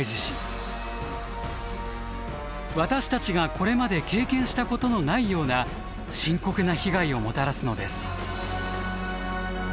私たちがこれまで経験したことのないような深刻な被害をもたらすのです。